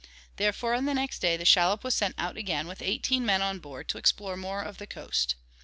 Therefore on the next day the shallop was sent out again with eighteen men on board to explore more of the coast.